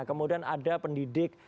kemudian ada pendidik